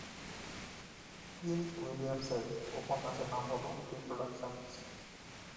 In উইলিয়ামসের উপন্যাসের নাম হলো রিপ্রোডাকশনস।